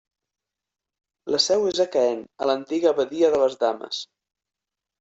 La seu és a Caen, a l'antiga abadia de les Dames.